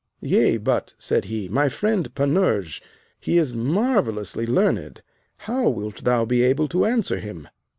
Yea but, said he, my friend Panurge, he is marvellously learned; how wilt thou be able to answer him?